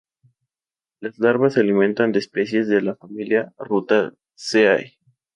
Las larvas se alimentan de especies de la familia Rutaceae.